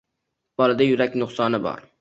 Bolada yurak nuqsoni bor